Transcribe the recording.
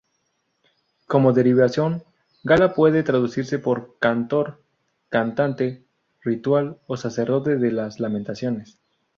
Como derivación, "gala" puede traducirse por cantor, cantante ritual o sacerdote de las lamentaciones.